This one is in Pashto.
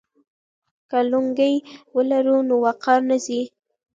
که لونګۍ ولرو نو وقار نه ځي.